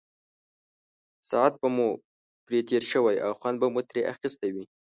ساعت به مو پرې تېر شوی او خوند به مو ترې اخیستی وي.